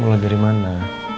mulai dari mana